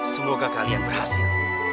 semoga kalian berhasil